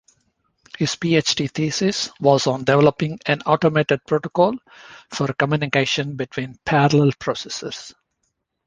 His Ph.D. thesis was on developing an automated protocol for communication between parallel processors.